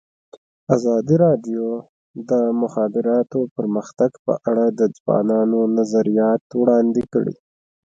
ازادي راډیو د د مخابراتو پرمختګ په اړه د ځوانانو نظریات وړاندې کړي.